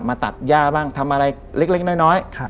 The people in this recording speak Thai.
ตัดย่าบ้างทำอะไรเล็กน้อย